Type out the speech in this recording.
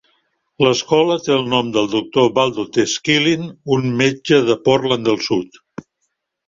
L'escola té el nom de Doctor Waldo T. Skillin, un metge de Portland del Sud.